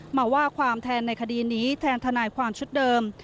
มาว่าความแทนในคดีนี้แทนทนายความชุดเดิม